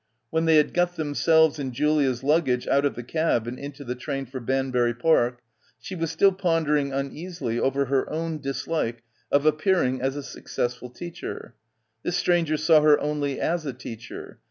When they had got themselves and Julia's luggage out of the cab and into the train for Banbury Park she was still pondering uneasily over her own dislike of appearing as a successful teacher. This stranger saw her only as a teacher.